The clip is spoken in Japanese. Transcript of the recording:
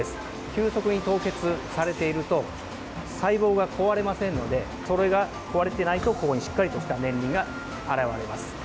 急速に凍結されていると細胞が壊れませんのでそれが壊れないと、ここにしっかりとした年輪が現れます。